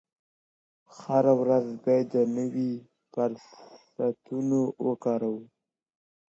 هره ورځ باید نوي فرصتونه وکاروئ.